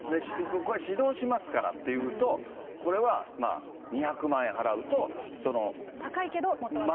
指導しますからっていうと、これ高いけど元は取れる。